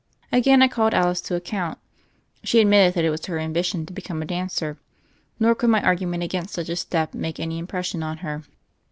Again I called Alice to account. She admitted that it was her ambition to become a dancer; nor could my argument against such a step make any impression on her.